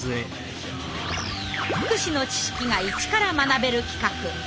福祉の知識が一から学べる企画「フクチッチ」。